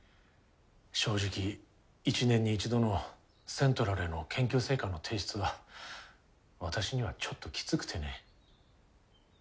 正直一年に一度のセントラルへの研究成果の提出は私にはちょっときつくてね